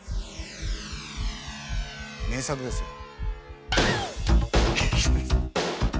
名作ですよ。